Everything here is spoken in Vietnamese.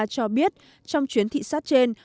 cho biết trong chuyến thị xác trên